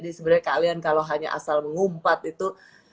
jadi sebenarnya kalian kalau hanya asal ngumpat itu